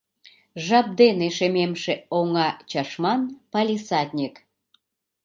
Жап дене шемемше оҥа чашман палисадник.